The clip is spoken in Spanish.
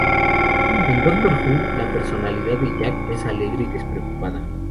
En "Doctor Who", la personalidad de Jack es alegre y despreocupada.